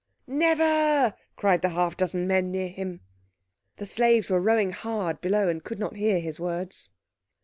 "Never!" cried the half dozen men near him. The slaves were rowing hard below and could not hear his words.